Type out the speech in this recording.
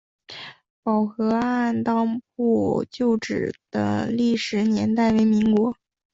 宝和按当铺旧址的历史年代为民国。